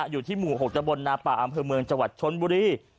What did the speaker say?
อยู่ที่หมู่หกจบลนปเดียอำหรับอำเภอจังหวัดชนบุรี